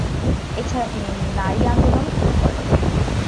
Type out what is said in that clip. এছাড়া তিনি নারী আন্দোলন শুরু করেন।